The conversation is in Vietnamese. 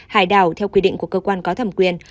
hải đảo theo quy định của cơ quan có thẩm quyền